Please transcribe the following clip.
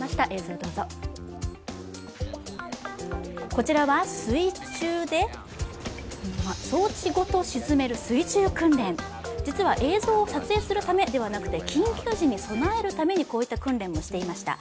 こちらは水中で装置ごと沈める水中訓練、実は映像を撮影するためではなくて緊急時に備えるためにこういった訓練をしていました。